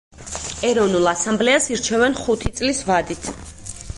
ეროვნულ ასამბლეას ირჩევენ ხუთი წლის ვადით.